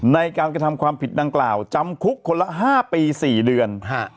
ในการกระทำความผิดดังกล่าวจำคุกคนละ๕ปี๔เดือน